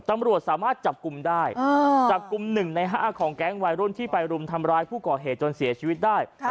ตำรวจสามารถจับกลุ่มได้จับกลุ่ม๑ใน๕ของแก๊งวัยรุ่นที่ไปรุมทำร้ายผู้ก่อเหตุจนเสียชีวิตได้